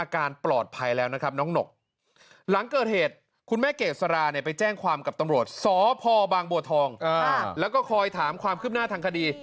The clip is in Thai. กับตำรวจสพบทแล้วก็คอยถามความคืบหน้าทางคดี